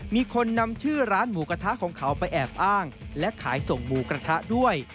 มีคนนำชื่อร้านหมูกระทะของเขาไปแอบอ้างและขายส่งหมูกระทะด้วย